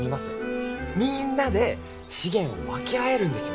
みんなで資源を分け合えるんですよ。